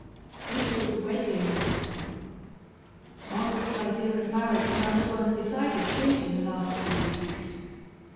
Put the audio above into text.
It was a wedding. Margaret's idea of marriage had undergone a decided change in the last few weeks.